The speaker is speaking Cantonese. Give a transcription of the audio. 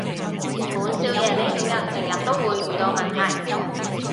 本少爺呢種人成日都會遇到問題